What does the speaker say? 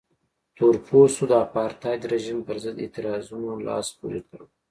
تور پوستو د اپارټایډ رژیم پرضد اعتراضونو لاس پورې کړ.